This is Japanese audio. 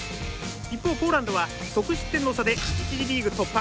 一方、ポーランドは得失点の差で１次リーグ突破！